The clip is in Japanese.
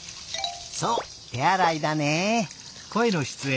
そうてあらいだね。